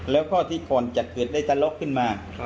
และก่อนจะเกิดได้ตลกขึ้นมา